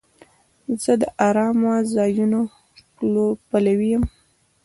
زه د آرامه ځایونو پلوی یم.